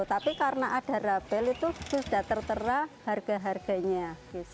tapi karena ada rabel itu sudah tertera harga harganya